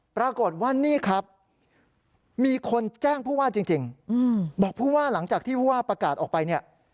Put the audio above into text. ปรากฏว่านี่ครับมีคนแจ้งผู้ว่าจริงบอกผู้ว่าหลังจากที่ผู้ว่าประกาศออกไปเนี่ย